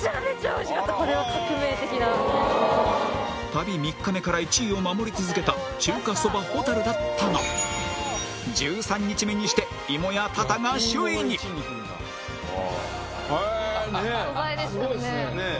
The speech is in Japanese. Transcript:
旅３日目から１位を守り続けた中華そば螢だったが１３日目にして芋屋ＴＡＴＡが首位にほえーねえ？